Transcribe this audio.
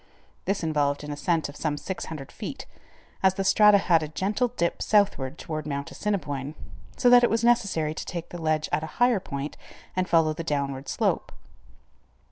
This involved an ascent of some 600 feet, as the strata had a gentle dip southward toward Mount Assiniboine, so that it was necessary to take the ledge at a higher point and follow the downward slope.